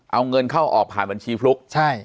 เอาเงินเข้าออกผ่านบัญชีฟลุกใช่